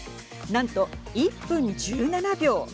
何と１分１７秒。